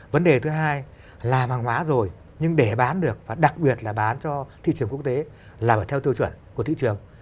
vấn đề thứ hai là hàng hóa rồi nhưng để bán được và đặc biệt là bán cho thị trường quốc tế là phải theo tiêu chuẩn của thị trường